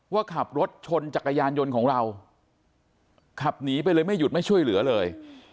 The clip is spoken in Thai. ว่าขับรถชนจักรยานยนต์ของเราขับหนีไปเลยไม่หยุดไม่ช่วยเหลือเลย